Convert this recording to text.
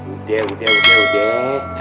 udah udah udah udah hah